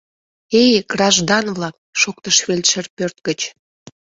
— Эй, граждан-влак, — шоктыш фельдшер пӧрт гыч.